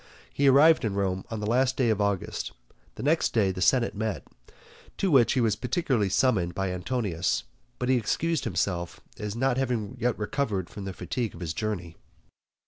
He arrived in Rome on the last day of August. The next day the senate met, to which he was particularly summoned by Antonius, but he excused himself as not having recovered from the fatigue of his journey.